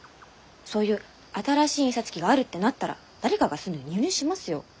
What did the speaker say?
そういう新しい印刷機があるってなったら誰かがすぐに輸入しますよ。